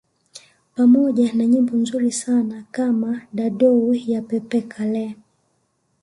Pamoja na nyimbo nzuri sana kama Dadou ya Pepe Kalle